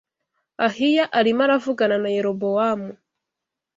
Ahiya arimo aravugana na Yerobowamu